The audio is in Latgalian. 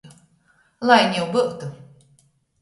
Lai niu byutu!